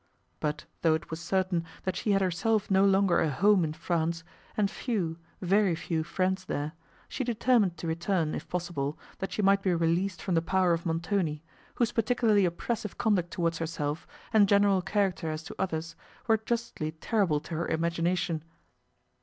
But, though it was certain, that she had herself no longer a home in France, and few, very few friends there, she determined to return, if possible, that she might be released from the power of Montoni, whose particularly oppressive conduct towards herself, and general character as to others, were justly terrible to her imagination.